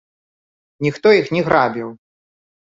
Ніхто іх не грабіў!